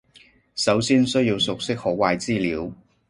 首先需要熟悉好壞資料